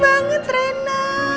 bagus banget rena